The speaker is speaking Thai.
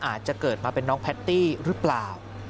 อาจจะเกิดมาเป็นน้องแพตตี้หรือเปล่า